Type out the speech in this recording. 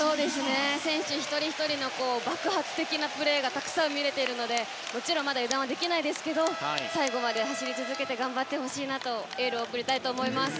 選手一人ひとりの爆発的なプレーがたくさん見れているのでもちろんまだ油断はできませんが最後まで走り続けて頑張ってほしいなとエールを送りたいと思います。